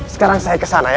sekarang saya kesana ya